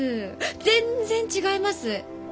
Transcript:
全然違います！